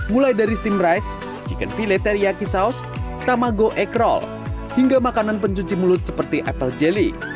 mulai dari steam rice chicken fillet teriyaki sauce tamago egg roll hingga makanan pencuci mulut seperti apple jelly